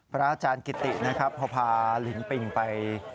พระอาจารย์กิตติธรรมาสพอพาลินปิงไป